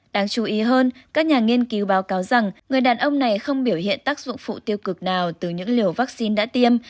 đáng chú ý hơn các nhà nghiên cứu báo cáo rằng người đàn ông này không biểu hiện tác dụng phụ tiêu cực nào từ những liều vaccine đã tiêm